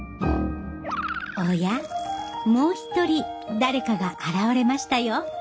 おやもう一人誰かが現れましたよ。